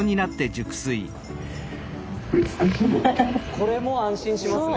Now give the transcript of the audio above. これも安心しますね。